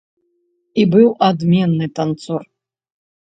І быў адменны танцор.